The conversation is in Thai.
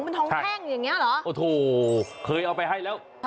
เป็นทองแพร่งอย่างนี้หรอ